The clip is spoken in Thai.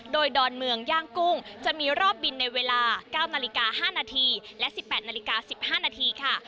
โดยดอนเมืองย่างกุ้งจะมีรอบบินในเวลา๙นาฬิกา๕นาทีและ๑๘นาฬิกา๑๕นาทีค่ะ